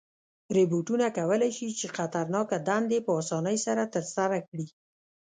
روبوټونه کولی شي چې خطرناکه دندې په آسانۍ سره ترسره کړي.